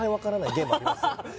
ゲームあります？